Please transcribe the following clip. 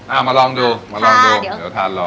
เอามาลองดูมาลองดูเดี๋ยวทานลอง